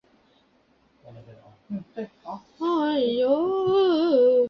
宇垣发起的这场神风特攻队的最后任务在日本国内褒贬不一。